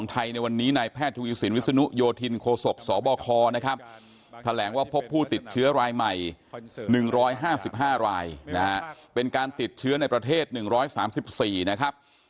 หลายวิดอ่อนว่าพบผู้ติดเชื้อรายใหม่กันซึ่ง๑๕๕รายนะเป็นการติดเชื้อในประเทศ๑๓๔นะครับ